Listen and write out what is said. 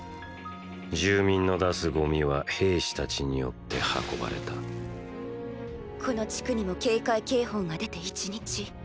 住民の出すゴミは兵士たちによって運ばれたこの地区にも警戒警報が出て１日。